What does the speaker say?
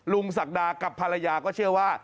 ศักดากับภรรยาก็เชื่อว่า